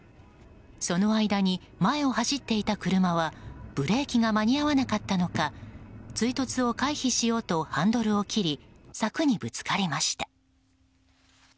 その間に前を走っていた車はブレーキが間に合わなかったのか追突を回避しようとハンドルを切り柵にぶつかりました。